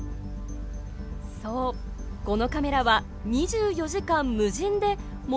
そうこのカメラは２４時間無人で森の中を見張っているのです。